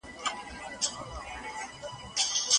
په قرآن کريم کي د مقطعاتو حروفو مقصد څه دی.